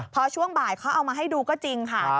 พอช่วงบ่ายเขาเอามาให้ดูก็จริงค่ะ